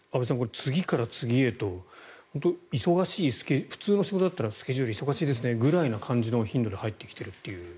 次から次へと忙しいスケジュール普通の仕事だったらスケジュール忙しいですねくらいの頻度で入ってきているという。